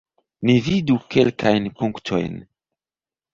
Ni vidu kelkajn punktojn.